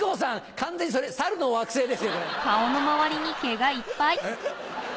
完全にそれ『猿の惑星』ですよ。え？